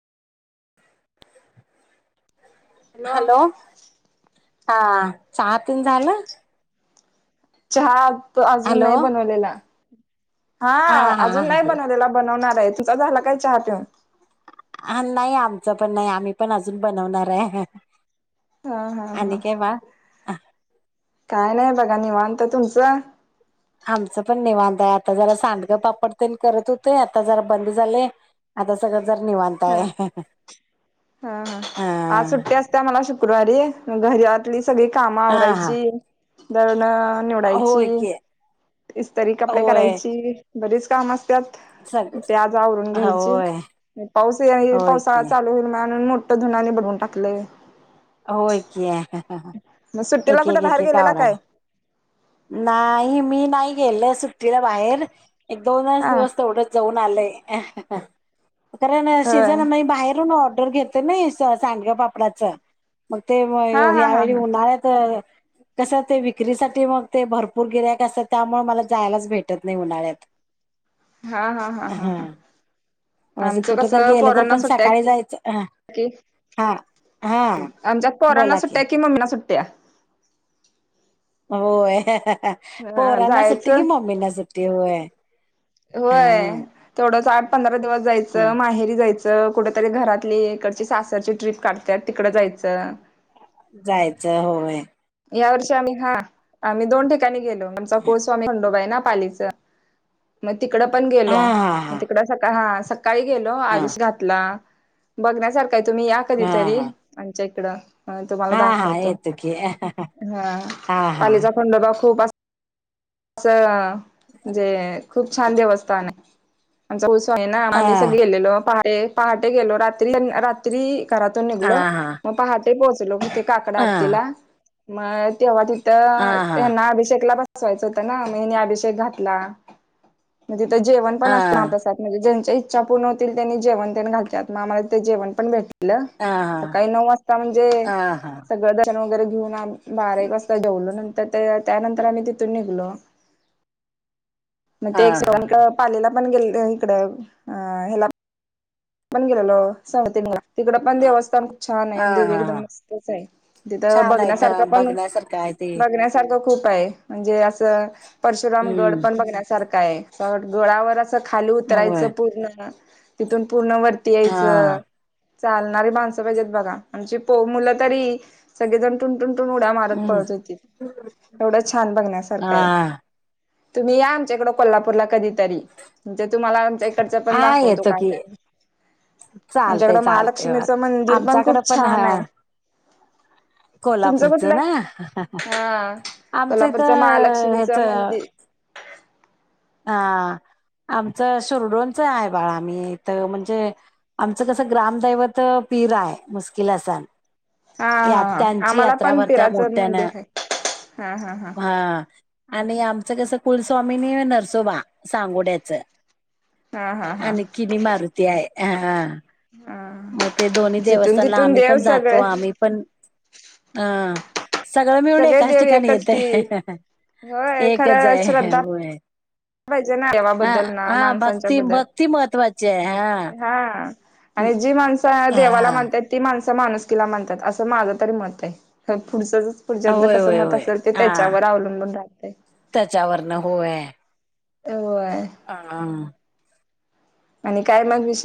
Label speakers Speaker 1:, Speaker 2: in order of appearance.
Speaker 1: Hello हा हा तन झालं.
Speaker 2: चहा त अजून
Speaker 1: हॅलो
Speaker 2: नाही बनवलेला हा अजून नाही बनवलेला बनवणार आहे तुचा झाला काय चहा पिऊन
Speaker 1: ह नाही आमचं पण नाही आम्ही पण अजून बनवणार आहे.
Speaker 2: हा हा
Speaker 1: आणि
Speaker 2: हा.
Speaker 1: काय बाळ
Speaker 2: काय नाही बघा निवणत तुमचं?
Speaker 1: आमचं पण निवांध आहे आता जरा सांडगं पापड त्यांरी करत होते आता जरा बंद झाले. आता सगळं जर निवां
Speaker 2: हा हा हा आ
Speaker 1: हा
Speaker 2: सुट्ट्या मला शुक्रवारी घरीली सगळी कामं
Speaker 1: हा
Speaker 2: आवरायची दरण निवडायची
Speaker 1: होय की
Speaker 2: इस्तरी कपडे
Speaker 1: होय
Speaker 2: करायची बरीच काम असतात.
Speaker 1: सगळ
Speaker 2: प्याज आवरून घ्यायची
Speaker 1: होय
Speaker 2: पाऊस ये
Speaker 1: होय
Speaker 2: पावसाळा
Speaker 1: की
Speaker 2: चालू होईल म्हणून मोठ. धुनानी भरून टाकले.
Speaker 1: होय की
Speaker 2: मग सुट्टीला
Speaker 1: एक
Speaker 2: कुठे
Speaker 1: एक एक
Speaker 2: बाहेर
Speaker 1: एक
Speaker 2: गेलेला
Speaker 1: आवरायला
Speaker 2: काय?
Speaker 1: नाही मी नाही गेल सुट्टीला बाहेर एक दोनच
Speaker 2: हा
Speaker 1: दिवस तेवढं जाऊन आलंय कारण
Speaker 2: होय.
Speaker 1: शजण म बाहेरून ऑर्डर घेत. नाही सांड्या पापडाचं मग ते
Speaker 2: हा हा हा
Speaker 1: ह्यावेळी
Speaker 2: हा
Speaker 1: उन्हाळ्यात कसं ते विक्रीसाठी मग ते भरपूर गिरायक असतात. त्यामुळे मला जायलाच भेटत नाही उन्हाळ्यात
Speaker 2: हा-हा-हा-हा-हा.
Speaker 1: हा
Speaker 2: आमचं
Speaker 1: कुठ तर
Speaker 2: कसं
Speaker 1: गेलं तर
Speaker 2: पोरांना
Speaker 1: पण
Speaker 2: सुट्टया
Speaker 1: सकाळी जायचं ह
Speaker 2: कि
Speaker 1: हा हा
Speaker 2: आमच्यात पोरांना
Speaker 1: बोला की
Speaker 2: सुट्ट्या कि मम्मींना सुट्ट्या
Speaker 1: होय
Speaker 2: अ
Speaker 1: पोरानां सुट्टी की
Speaker 2: जायचं
Speaker 1: मम्मी ना सुट्टी होय.
Speaker 2: होय
Speaker 1: ह
Speaker 2: थोडंस आठ पंधरा दिवस जायचं. माहेरी जायचं. कुठेतरी घरातली इकडची सासरची ट्रीप काढतय तिकडं जायचं.
Speaker 1: जायचं. होय.
Speaker 2: या वर्षी आम्ही हा आम्ही दोन ठिकाणी गेलो. आमचा कुलस्वामी खंडोबा आहे ना पालीच मग तिकड पण
Speaker 1: हा
Speaker 2: गेलो
Speaker 1: हा
Speaker 2: तिकड सका हा सकाळी गेलो
Speaker 1: हा हा
Speaker 2: अभिषेक घातला. बघण्यासारखा आहे तुम्ही या कधीतरी आमच्या इकडं. तुम्हाला
Speaker 1: हा-हा
Speaker 2: दाखवतो
Speaker 1: येतो की
Speaker 2: हा
Speaker 1: हा
Speaker 2: पालीचा खंडोबा खूप अस. असं जे खूप छान देवस्थान आहे. आमचा उत्स आहे ना
Speaker 1: ह
Speaker 2: आम्ही सग गेलेलो पहाट पहाटे गेलो रात्री रात्री घरातून
Speaker 1: हा
Speaker 2: निघलो
Speaker 1: हा
Speaker 2: मग पहाटे पोहोचलो मग ते काकडा आरतीला मग तेव्हा त तर हना अभिषेकला बसवायचं होतं ना मीनी अभिषेक घातला. ग तिथं जेवण असत मा आप म्हणजे ज्यांच्या इच्छा पूर्ण होतील त्यांनी जेवण त्यां घातग आमला तेेण भेट सकाळी नऊ वाजता म्हणजे सगळं दर्शन वगैरे घेऊन आम बारा एक वाजता जेवलो नंतर त्यानंतर आम्ही तिथून निघलो. मग ते एक सण
Speaker 1: आहाहा!
Speaker 2: पालीला पण गेल इकड ह ह्याला आम्ही पण गेललो [unintelligible] तिकड पण देवस्थान खूप छान आहे. देवी एकदम
Speaker 1: आहाहा!
Speaker 2: मस्तच आहे तिथं बघण्यासारखा पण
Speaker 1: काय ते
Speaker 2: बघण्यासारखं खूप आहे म्हणजे अस परशुराम गड
Speaker 1: हं.
Speaker 2: पण बघण्यासारख आहे. गडावर अस खाली
Speaker 1: होय.
Speaker 2: उतरायचं पूर्ण तिथून पूर्ण वरती यायचं.
Speaker 1: हां.
Speaker 2: चालणारी माणसं पाहिजेत. बघा आमची पो मुलं तरी सगळेजण टुून-टुून-टून उड्या मारत
Speaker 1: हं.
Speaker 2: पळत होतीत. एवढं छान बघण्यासारखं आहे.
Speaker 1: हां.
Speaker 2: तुम्ही या आमच्या इकड कोल्हापूरला कधी तरी म्हणजे तुम्हाला आमच्या इकडचं पण दाखवतो. काय तरी
Speaker 1: चालतेय-चालतेय
Speaker 2: महालक्ष्मीचं मंदिर
Speaker 1: आमच्याकडें
Speaker 2: खूप
Speaker 1: पण हा
Speaker 2: छान आहे तुमचं
Speaker 1: कोल्हापूरचं
Speaker 2: कुठलं?
Speaker 1: ना
Speaker 2: हा
Speaker 1: आमचं इथ
Speaker 2: कोल्हापूरचं
Speaker 1: ह्याच
Speaker 2: महालक्ष्मीचं मंदिर
Speaker 1: हा आमचं शुरडोंच आहे बघा अमी इथ म्हणजे आमचं कसं ग्रामदैवत पीर आहे. मुश्किल असण
Speaker 2: हा हा
Speaker 1: या
Speaker 2: हा
Speaker 1: त्यांची
Speaker 2: आम्हाला
Speaker 1: यात्रा
Speaker 2: पण
Speaker 1: भरत्या
Speaker 2: पिराचं
Speaker 1: मोठ्याना
Speaker 2: मंदिर आहे हा हा
Speaker 1: हा आणि आमचं कसं कुलस्वामीनी नरसोबा सांगोड्याच
Speaker 2: हा हा हा
Speaker 1: आणि किनी मारुती आहे. हा-हा
Speaker 2: हा
Speaker 1: मग ते दोन्ही
Speaker 2: जिथून
Speaker 1: देवस्थानला
Speaker 2: तिथून
Speaker 1: आम्ही
Speaker 2: देव
Speaker 1: पण जातो.
Speaker 2: सगळे
Speaker 1: आम्ही पण अह सगळं मिळून
Speaker 2: सगळे
Speaker 1: एकाच
Speaker 2: देव
Speaker 1: ठिकाणी
Speaker 2: एकच
Speaker 1: येतय
Speaker 2: की होय
Speaker 1: एकच
Speaker 2: खरं
Speaker 1: आहे.
Speaker 2: श्रद्धा
Speaker 1: होय
Speaker 2: पाहिजे ना देवाबद्दल ना
Speaker 1: हा-हा
Speaker 2: माणसांच्या बद्दल
Speaker 1: भक्ती-भक्ती महत्वाचे हा
Speaker 2: हा आणि जी माणसं
Speaker 1: हा
Speaker 2: देवाला मानतात. ते माणसं माणूसकीला मानतात असं माझं तरी मत आहे पुढचंच पुजाऱ्याच
Speaker 1: होय
Speaker 2: कस
Speaker 1: होय
Speaker 2: मत
Speaker 1: होय
Speaker 2: असेल ते
Speaker 1: हा
Speaker 2: त्याच्यावर अवलंबून राहते.
Speaker 1: त्याच्यावरन होय.
Speaker 2: होय.
Speaker 1: [unintelligible]
Speaker 2: आणि काय मग विशे